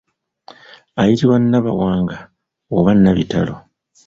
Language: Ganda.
Ayitibwa Nabawanga oba Nabitalo.